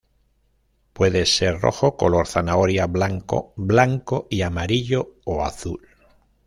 Puede ser rojo, color zanahoria, blanco, blanco y amarillo, o azul.